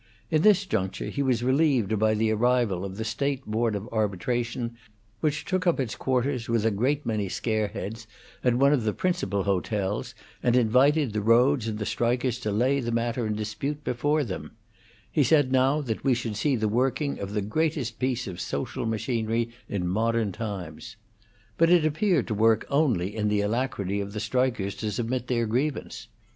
In this juncture he was relieved by the arrival of the State Board of Arbitration, which took up its quarters, with a great many scare heads, at one of the principal hotels, and invited the roads and the strikers to lay the matter in dispute before them; he said that now we should see the working of the greatest piece of social machinery in modern times. But it appeared to work only in the alacrity of the strikers to submit their grievance.